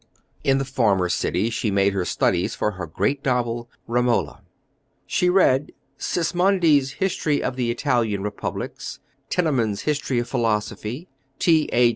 In the former city she made her studies for her great novel, Romola. She read Sismondi's History of the Italian Republics, Tenneman's History of Philosophy, T.A.